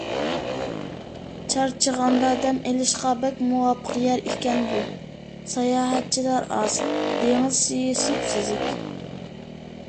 چارچىغاندا دەم ئېلىشقا بەك مۇۋاپىق يەر ئىكەن بۇ. ساياھەتچىلەر ئاز، دېڭىز سۈيى سۈپسۈزۈك.